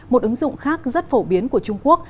một ứng dụng khác rất phổ biến của trung quốc